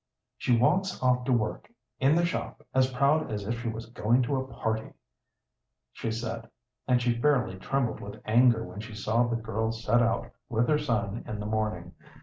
"She walks off to work in the shop as proud as if she was going to a party," she said, and she fairly trembled with anger when she saw the girl set out with her son in the morning.